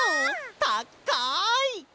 たっかい！